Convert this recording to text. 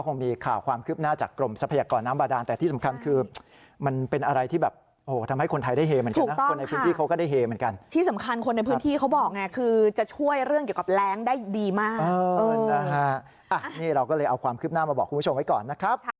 นี่เราก็เลยเอาความคลิปหน้ามาบอกคุณผู้ชมไว้ก่อนนะครับ